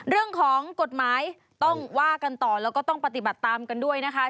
เรื่องของกฎหมายต้องว่ากันต่อแล้วก็ต้องปฏิบัติตามกันด้วยนะคะ